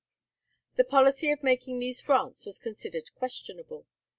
The policy of making these grants was considered questionable.